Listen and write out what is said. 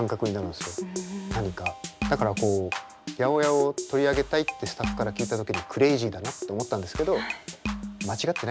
だからこう８０８を取り上げたいってスタッフから聞いた時にクレイジーだなと思ったんですけど間違ってないってことですね。